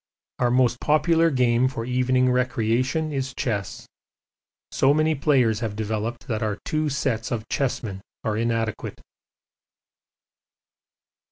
Our most popular game for evening recreation is chess; so many players have developed that our two sets of chessmen are inadequate.